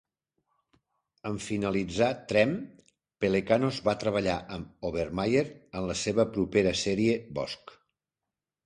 En finalitzar "Treme", Pelecanos va treballar amb "Overmyer" en la seva propera sèrie "Bosch".